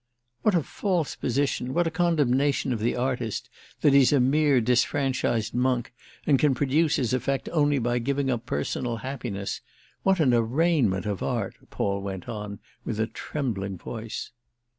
"What a false position, what a condemnation of the artist, that he's a mere disfranchised monk and can produce his effect only by giving up personal happiness. What an arraignment of art!" Paul went on with a trembling voice.